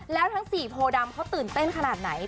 แล้วทั้ง๔โพดำเขาตื่นเต้นขนาดไหน